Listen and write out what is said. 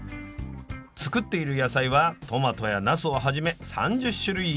作っている野菜はトマトやナスをはじめ３０種類以上。